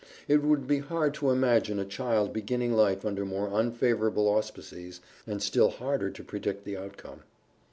It would be hard to imagine a child beginning life under more unfavorable auspices and still harder to predict the outcome.